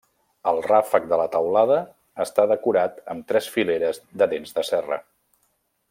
El ràfec de la teulada està decorat amb tres fileres de dents de serra.